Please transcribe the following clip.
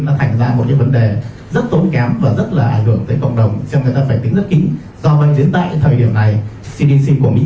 nó thành ra một cái vấn đề rất tối kém